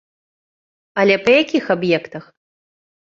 Але па якіх аб'ектах?